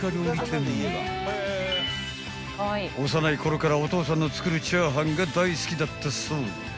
［幼いころからお父さんの作る炒飯が大好きだったそう］